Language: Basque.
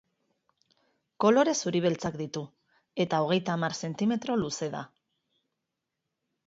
Kolore zuri-beltzak ditu eta hogeita hamar zentimetro luze da.